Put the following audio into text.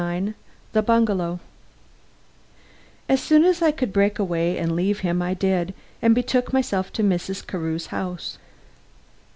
IX THE BUNGALOW As soon as I could break away and leave him I did, and betook myself to Mrs. Carew's house.